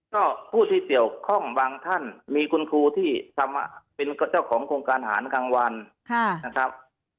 ก็ผู้ที่เกี่ยวข้องบางท่านมีคุณครูที่ทำเป็นเจ้าของโครงการอาหารกลางวันนะครับ